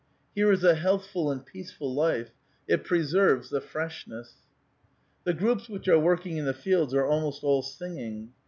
"Here is a healthful and peaceful life ; it preserves the freshness." The groups which are working in the fields are almost all singing.